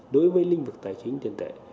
đối với linh vực tài chính tiền tệ